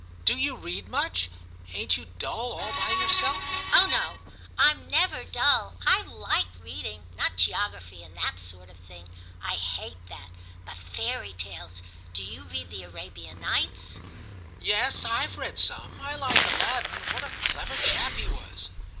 Do you read much ? Ain't you dull all by yourself?' *Oh no, Fm never dull. I like reading; not geography and that sort of thing ; I hate that, but fairy tales. Do you read the Arabian Nights ?' *Yes, IVe read some. I like Aladdin: what a clever chap he was.